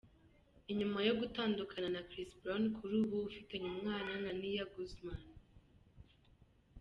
Ni nyuma yo gutandukana na Chris Brown kuri ubu ufitanye umwana na Nia Guzman.